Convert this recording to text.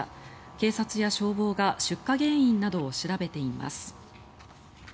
警察や消防が出火原因などを調べています。